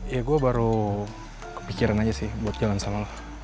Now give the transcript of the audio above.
ya gue baru kepikiran aja sih buat jalan sama